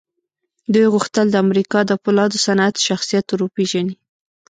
دوی غوښتل د امريکا د پولادو صنعت شخصيت ور وپېژني.